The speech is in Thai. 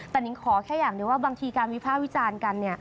แต่นิ้งขอแค่อย่างหนึ่งว่าบางทีการวิภาควิจารณ์กัน